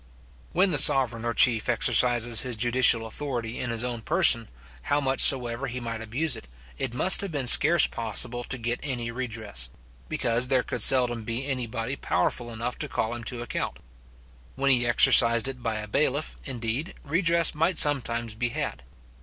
When the sovereign or chief exercises his judicial authority in his own person, how much soever he might abuse it, it must have been scarce possible to get any redress; because there could seldom be any body powerful enough to call him to account. When he exercised it by a bailiff, indeed, redress might sometimes be had.